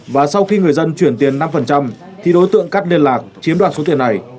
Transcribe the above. và sau khi người dân chuyển tiền năm thì đối tượng cắt liên lạc chiếm đoạt số tiền này